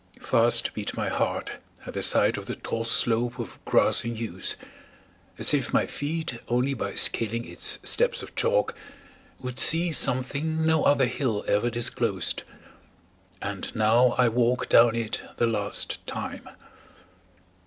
Fast beat My heart at the sight of the tall slope Or grass and yews, as if my feet Only by scaling its steps of chalk Would see something no other hill Ever disclosed. And now I walk Down it the last time.